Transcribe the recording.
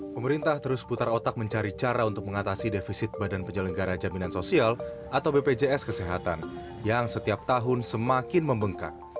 pemerintah terus putar otak mencari cara untuk mengatasi defisit badan penyelenggara jaminan sosial atau bpjs kesehatan yang setiap tahun semakin membengkak